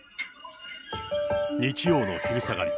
日曜の昼下がり。